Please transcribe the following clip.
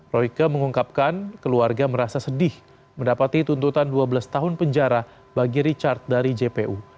royke mengungkapkan keluarga merasa sedih mendapati tuntutan dua belas tahun penjara bagi richard dari jpu